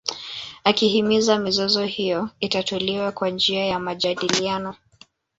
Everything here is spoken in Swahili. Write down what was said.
Akihimiza mizozo hiyo itatuliwe kwa njia ya majadiliano